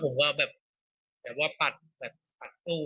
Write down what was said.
ผมก็แบบแบบว่าปัดปัดสู้